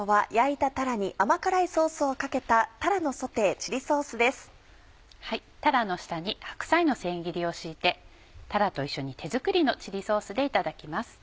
たらの下に白菜の千切りを敷いてたらと一緒に手作りのチリソースでいただきます。